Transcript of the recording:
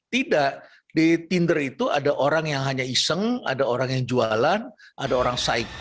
tidak di tinder itu ada orang yang hanya iseng ada orang yang jualan ada orang cyc